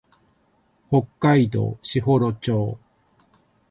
北海道士幌町